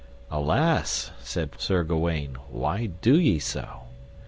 Alas, said Sir Gawaine, why do ye so?